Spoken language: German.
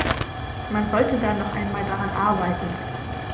Man sollte da noch einmal daran arbeiten.